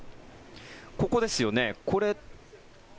ここですよね。